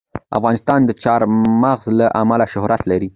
افغانستان د چار مغز له امله شهرت لري.